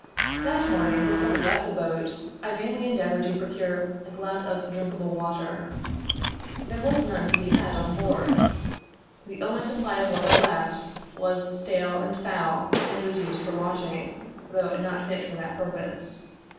That morning before we left the boat, I vainly endeavored to procure a glass of drinkable water. There was none to be had on board. The only supply of water left, was stale and foul and was used for washing, though not fit for that purpose.